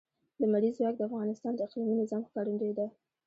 لمریز ځواک د افغانستان د اقلیمي نظام ښکارندوی ده.